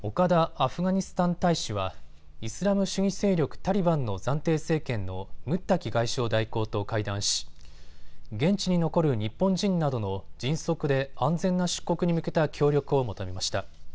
アフガニスタン大使はイスラム主義勢力タリバンの暫定政権のムッタキ外相代行と会談し現地に残る日本人などの迅速で安全な出国に向けた協力を求めました。